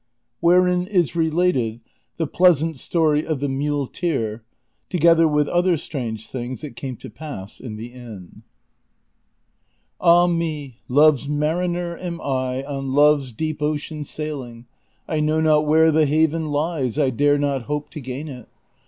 WHEREIX IS RELATED THE PLEASANT STORY O'F THE MULE TEER, TOGETHER WITH OTHER STRANGE THINGS THAT CAME TO PASS IN THE INN. Ah me, Love's mariner am I ^ On Love's deep ocean sailing ; I know not where the haven lies, I dare not hope to gain it.